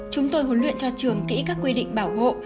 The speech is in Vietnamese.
chúng tôi huấn luyện cho trường kỹ các quy định bảo hộ